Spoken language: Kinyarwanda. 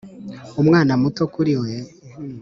amwana mato kuri we, akamufasha